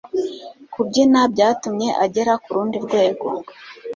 Kubyina byatumye agera kurundi rwego